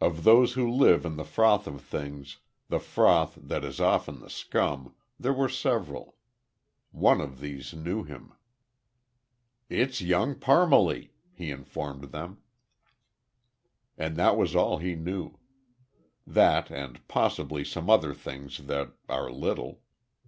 Of those who live in the froth of things the froth that is often the scum there were several. One of these knew him. "It's Young Parmalee," he informed them. And that was all he knew; that, and possibly some other things that are little.